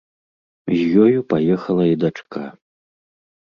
З ёю паехала і дачка.